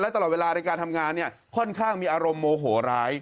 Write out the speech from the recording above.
ตลอดเวลาในการทำงานเนี่ยค่อนข้างมีอารมณ์โมโหร้าย